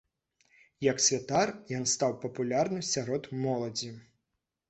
Як святар, ён стаў папулярны сярод моладзі.